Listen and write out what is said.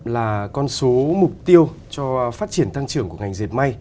một mươi là con số mục tiêu cho phát triển tăng trưởng của ngành dệt may